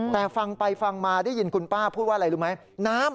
แต่ฟังไปฟังมาได้ยินคุณป้าพูดว่าอะไรรู้ไหม